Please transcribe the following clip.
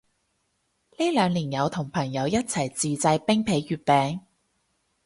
呢兩年有同朋友一齊自製冰皮月餅